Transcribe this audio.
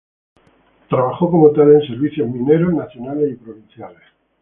Trabajó como tal en servicios mineros nacionales y provinciales.